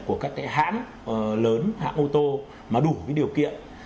của các cái hãng lớn hãng ô tô mà đủ cái điều kiện